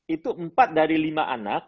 itu empat dari lima anak